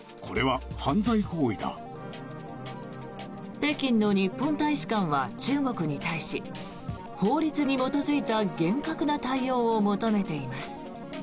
北京の日本大使館は中国に対し法律に基づいた厳格な対応を求めています。